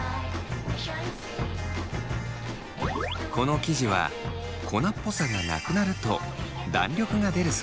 この生地は粉っぽさがなくなると弾力がでるそうです。